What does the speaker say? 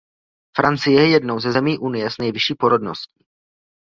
Francie je jednou ze zemí Unie s nejvyšší porodností.